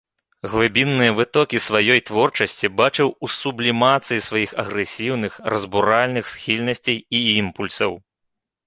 Глыбінныя вытокі сваёй творчасці бачыў у сублімацыі сваіх агрэсіўных, разбуральных схільнасцей і імпульсаў.